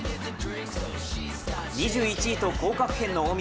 ２１位と降格圏の大宮。